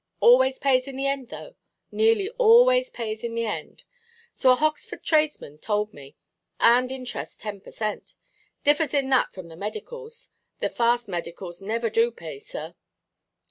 Always pays in the end, though; nearly always pays in the end—so a Hoxford tradesman told me—and interest ten per cent. Differs in that from the medicals; the fast medicals never do pay, sir."